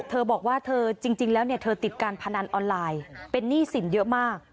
เธอบอกว่าเธอจริงแล้วเธอติดการพนันออนไลน์เป็นหนี้สินเยอะมาก